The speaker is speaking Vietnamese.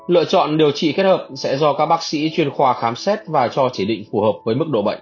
lựa chọn điều trị kết hợp sẽ do các bác sĩ chuyên khoa khám xét và cho chỉ định phù hợp với mức độ bệnh